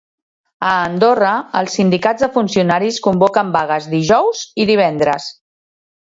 A Andorra, els sindicats de funcionaris convoquen vagues dijous i divendres.